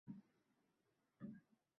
Koʼksimdagi qush yarador